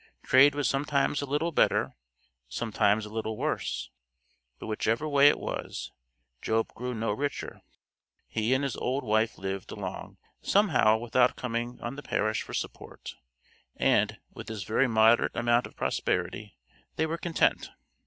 Trade was sometimes a little better, sometimes a little worse, but whichever way it was, Job grew no richer. He and his old wife lived along somehow without coming on the parish for support, and with this very moderate amount of prosperity they were content.